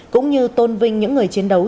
cũng như tôn vinh những người chiến đấu